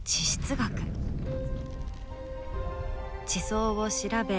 地層を調べ